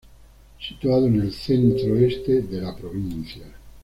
Situado en el centro-este de la provincia.